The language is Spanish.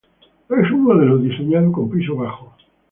En un modelo diseñado con piso bajo.